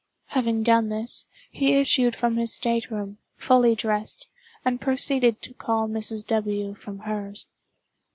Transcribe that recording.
Having done this, he issued from his state room, fully dressed, and proceeded to call Mrs. W. from hers.